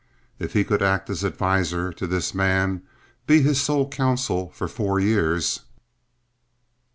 If he could act as adviser to this man—be his sole counsel for four years!